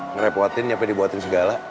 ngerepotin sampai dibuatin segala